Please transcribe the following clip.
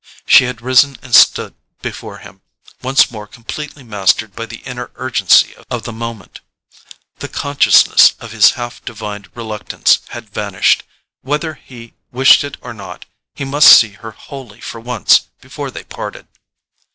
She had risen and stood before him, once more completely mastered by the inner urgency of the moment. The consciousness of his half divined reluctance had vanished. Whether he wished it or not, he must see her wholly for once before they parted.